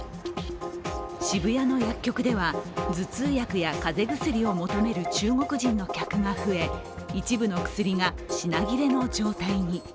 渋谷の薬局では頭痛薬や風邪薬を求める中国人の客が増え一部の薬が品切れの状態に。